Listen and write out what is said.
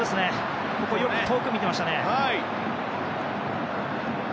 ここ、よく遠くを見てましたね。